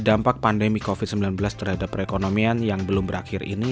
dampak pandemi covid sembilan belas terhadap perekonomian yang belum berakhir ini